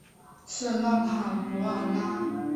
圣让卡弗尔拉。